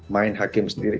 main hakim sendiri